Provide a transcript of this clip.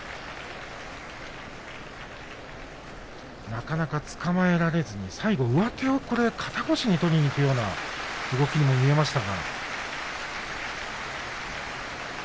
なかなかつかまえられず、最後上手を肩越しに取りにいくような動きに見えました。